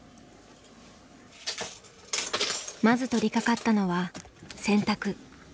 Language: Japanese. まず取りかかったのは洗濯。